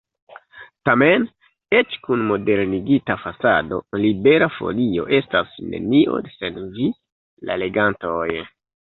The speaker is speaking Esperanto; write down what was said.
Tamen, eĉ kun modernigita fasado, Libera Folio estas nenio sen vi, la legantoj.